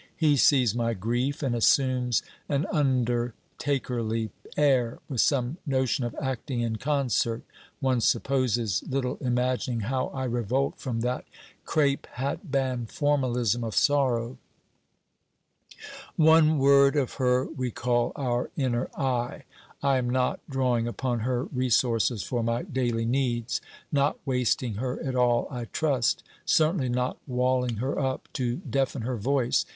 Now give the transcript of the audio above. He sees my grief, and assumes an undertakerly air, with some notion of acting in concert, one supposes little imagining how I revolt from that crape hatband formalism of sorrow! 'One word of her we call our inner I. I am not drawing upon her resources for my daily needs; not wasting her at all, I trust; certainly not walling her up, to deafen her voice.